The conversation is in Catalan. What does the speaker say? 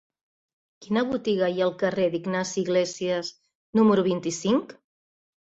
Quina botiga hi ha al carrer d'Ignasi Iglésias número vint-i-cinc?